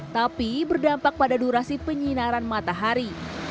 tapi berdampak pada durasi penyinaran matahari